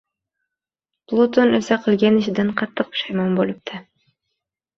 Pluton esa qilgan ishidan qattiq pushaymon boʻlibdi